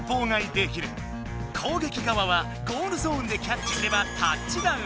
攻撃側はゴールゾーンでキャッチすればタッチダウン。